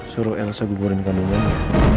suruh elsa gugurin kandungannya